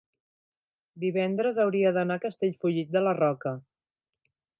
divendres hauria d'anar a Castellfollit de la Roca.